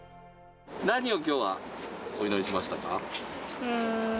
何をきょうはお祈りしましたか。